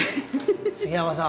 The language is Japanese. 杉山さん。